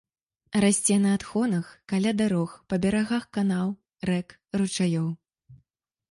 Расце на адхонах, каля дарог, па берагах канаў, рэк, ручаёў.